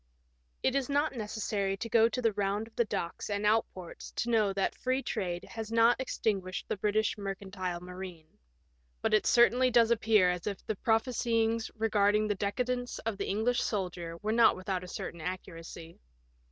It is not necessary to go the round of the docks and outports to know that free trade has not extinguished the British mercantile marine. But it certainly does appear as if the prophesyings re garding the decadence of the English sailor were not without a certain accuracy.